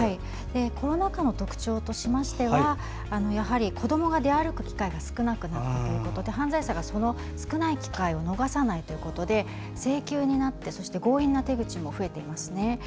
コロナ禍の特徴としましては子どもが出歩く機会が少なくなっているということで犯罪者が、その少ない機会を逃さないということで性急になって、強引な手口も増えていますね。